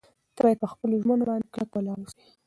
ته باید په خپلو ژمنو باندې کلک ولاړ واوسې.